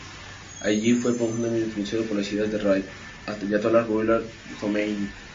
Allí, fue profundamente influenciado por las ideas del ayatolá Ruhollah Jomeini.